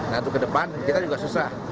nah untuk ke depan kita juga susah